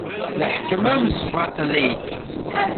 Leḥkem amesbaṭli.